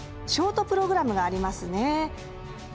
ショートプログラムがありますね。